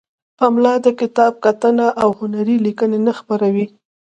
پملا د کتاب کتنه او هنری لیکنې نه خپروي.